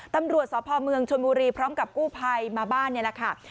ตำรวจสพเมืองชนบุรีพร้อมกับกู้ภัยมาบ้านนี่แหละค่ะ